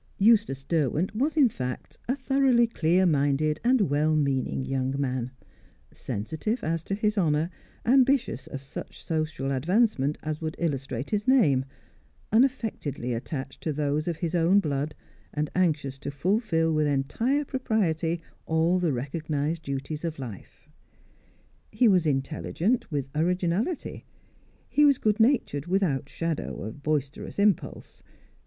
Eustace Derwent was in fact a thoroughly clear minded and well meaning young man; sensitive as to his honour; ambitious of such social advancement as would illustrate his name; unaffectedly attached to those of his own blood, and anxious to fulfil with entire propriety all the recognised duties of life. He was intelligent, with originality; he was good natured without shadow of boisterous impulse.